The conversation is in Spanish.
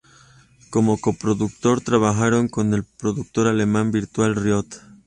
Como coproductor, trabajaron con el productor alemán Virtual Riot.